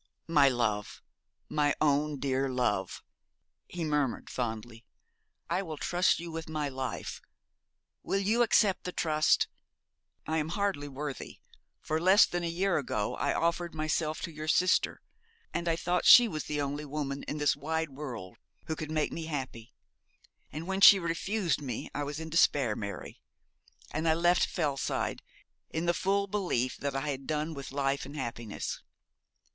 'My love, my own dear love,' he murmured fondly; 'I will trust you with my life. Will you accept the trust? I am hardly worthy; for less than a year ago I offered myself to your sister, and I thought she was the only woman in this wide world who could make me happy. And when she refused me I was in despair, Mary; and I left Fellside in the full belief that I had done with life and happiness.